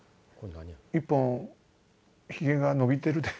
「１本ヒゲが伸びてるで」。